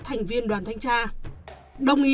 thành viên đoàn thanh tra đồng ý